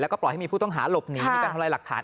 แล้วก็ปล่อยให้มีผู้ต้องหาหลบหนีมีการทำลายหลักฐาน